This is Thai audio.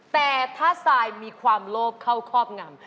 แต่ถ้าทรายมีความโลภเข้าครอบงำ